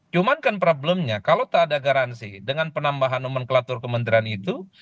cuman kan problemnya kalau tak ada garansi dengan penambahan nomenklatur kementerian itu